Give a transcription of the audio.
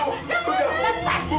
bu itu udah hupat bu